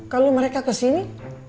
kalau mereka kesini